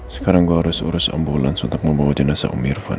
sekarang gue harus urus ambulans untuk membawa jenazah om irfan